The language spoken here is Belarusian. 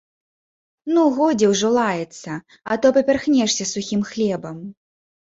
Ну, годзе ўжо лаяцца, а то папярхнешся сухім хлебам.